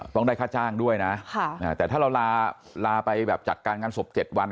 ต้องได้ค่าจ้างด้วยนะแต่ถ้าเราลาไปแบบจัดการงานศพ๗วัน